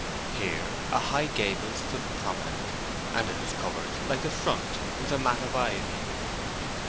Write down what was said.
Here a high gable stood prominent, and it was covered like the front with a mat of ivy.